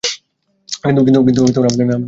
কিন্তু, আমাদের এলাকায় খুব গরম।